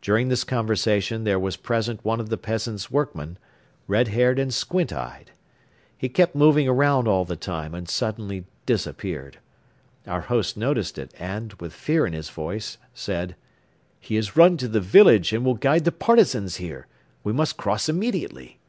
During this conversation there was present one of the peasant's workmen, red haired and squint eyed. He kept moving around all the time and suddenly disappeared. Our host noticed it and, with fear in his voice, said: "He has run to the village and will guide the Partisans here. We must cross immediately."